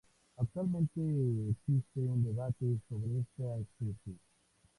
Actualmente existe un debate sobre esta especie.